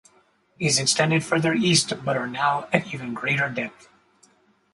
These extend further east but are now at ever greater depth.